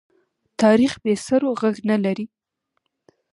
تاریخ بې سرو ږغ نه لري.